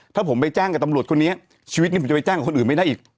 ถ้าผมไปแจ้งกับตำรวจคนนี้ชีวิตนี้ผมจะไปแจ้งกับคนอื่นไม่ได้อีก